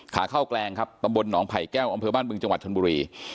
ขาเข้าแกลงครับตำบลหนองไผ่แก้วอำเภอบ้านบึงจังหวัดชนบุรี